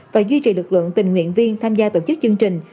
và duy trì lực lượng tình nguyện viên tham gia tổ chức chương trình